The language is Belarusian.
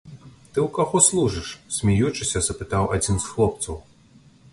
Ты ў каго служыш?— смеючыся, запытаў адзін з хлопцаў.